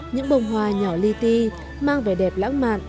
những bồng hoa nhỏ ly ti mang vẻ đẹp lãng mạn